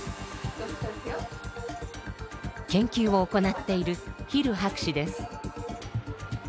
研究を行っているヒル博士です。